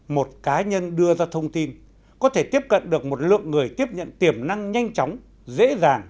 một cá nhân đưa ra thông tin có thể tiếp cận được một lượng người tiếp nhận tiềm năng nhanh chóng dễ dàng